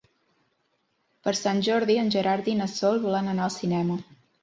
Per Sant Jordi en Gerard i na Sol volen anar al cinema.